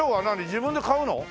自分で買うの？